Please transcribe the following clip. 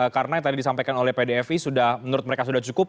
karena yang tadi disampaikan oleh pdfi sudah menurut mereka sudah cukup